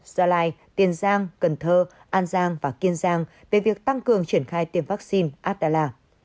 gia lai tiền giang cần thơ an giang và kiên giang về việc tăng cường chuyển khai tiêm vắc xin adela